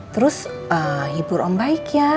terus hibur om baik ya